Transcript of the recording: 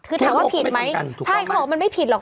คือถามว่าผิดไหมใช่เขาบอกว่ามันไม่ผิดหรอก